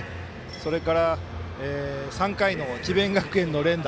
それから３回の智弁学園の連打。